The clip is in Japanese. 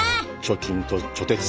貯金と貯鉄！